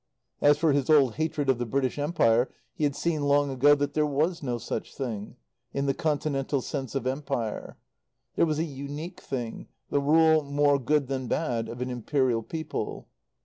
As for his old hatred of the British Empire, he had seen long ago that there was no such thing, in the continental sense of Empire; there was a unique thing, the rule, more good than bad, of an imperial people.